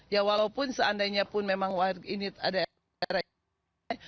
ya walaupun seandainya pun memang warga ini ada di area ini